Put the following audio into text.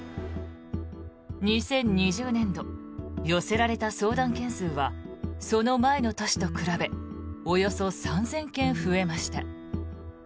２０２０年度寄せられた相談件数はその前の年と比べおよそ３０００件増えました。